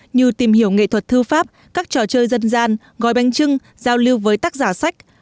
như tìm hiểu nghệ thuật thư pháp các trò chơi dân gian gói bánh trưng giao lưu với tác giả sách